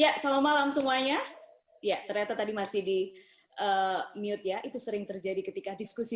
ya selamat malam semuanya ya ternyata tadi masih di mute ya itu sering terjadi ketika diskusi